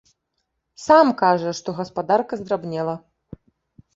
Сам кажаш, што гаспадарка здрабнела.